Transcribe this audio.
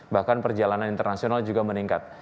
bahkan perjalanan internasional juga meningkat